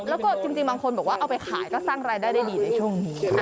แล้วก็จริงบางคนบอกว่าเอาไปขายก็สร้างรายได้ได้ดีในช่วงนี้